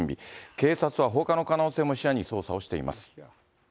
警察は放火の可能性も視野に捜査をしています。